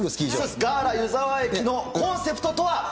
ガーラ湯沢駅のコンセプトとは。